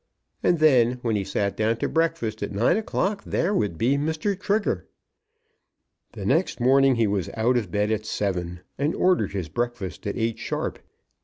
And then, when he sat down to breakfast at nine o'clock there would be Mr. Trigger! The next morning he was out of bed at seven, and ordered his breakfast at eight sharp.